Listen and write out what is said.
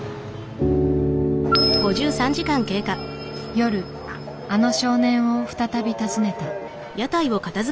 夜あの少年を再び訪ねた。